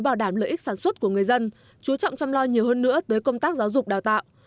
bảo đảm lợi ích sản xuất của người dân chú trọng chăm lo nhiều hơn nữa tới công tác giáo dục đào tạo